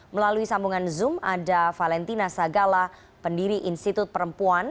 melalui sambungan zoom ada valentina sagala pendiri institut perempuan